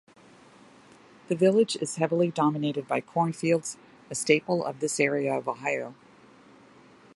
The village is heavily dominated by cornfields, a staple of this area of Ohio.